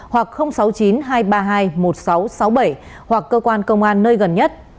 hoặc sáu mươi chín hai trăm ba mươi hai một nghìn sáu trăm sáu mươi bảy hoặc cơ quan công an nơi gần nhất